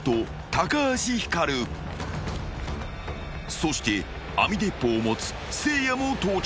［そして網鉄砲を持つせいやも到着］